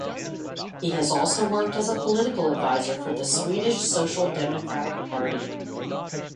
He has also worked as a political advisor for the Swedish Social Democratic Party.